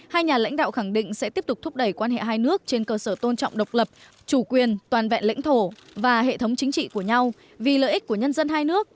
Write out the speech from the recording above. hai nhà lãnh đạo khẳng định sẽ tiếp tục thúc đẩy quan hệ hai nước trên cơ sở tôn trọng độc lập chủ quyền toàn vẹn lãnh thổ và hệ thống chính trị của nhau vì lợi ích của nhân dân hai nước